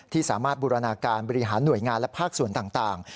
สามารถบูรณาการบริหารหน่วยงานและภาคส่วนต่าง